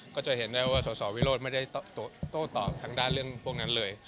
ก็จะเห็นได้ว่าสสวิโรธไม่ได้โต้ตอบทางด้านเรื่องพวกนั้นเลย